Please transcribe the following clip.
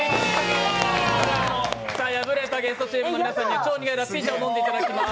敗れたゲストチームの皆さんには超苦いラッピー茶を飲んでいただきます。